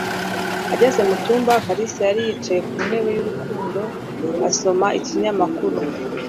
Ageze mu cyumba, Kalisa yari yicaye ku ntebe y'urukundo asoma ikinyamakuru.